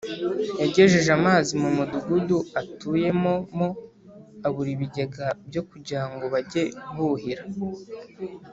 yagejeje amazi mu mudugudu atuyemomo, abura ibigega byo kugira ngo bajye buhira